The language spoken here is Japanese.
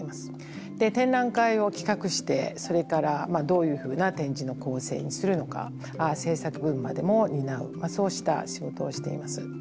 展覧会を企画してそれからどういうふうな展示の構成にするのか制作部分までも担うそうした仕事をしています。